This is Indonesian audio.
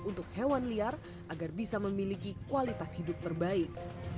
untuk hewan liar agar bisa memiliki kualitas hidup terbaik